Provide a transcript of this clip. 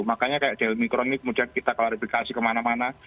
makanya kayak delmi kronik kemudian kita klarifikasi kemana mana